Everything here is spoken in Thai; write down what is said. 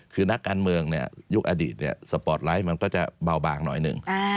คือนักการเมืองยุคอดีตสปอร์ตไลท์มันก็จะเบาบางหน่อยหนึ่ง